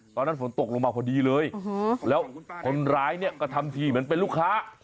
ตอนนั้นฝนตกลงมาพอดีเลยแล้วคนร้ายเนี่ยก็ทำทีเหมือนเป็นลูกค้า